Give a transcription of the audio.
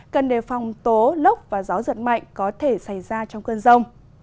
cần đề phòng tố lốc và gió giật mạnh có thể xảy ra trong cơn rông